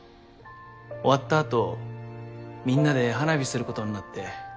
終わったあとみんなで花火することになって。